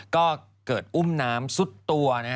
ก็เกิดอุ้มน้ำซุดตัว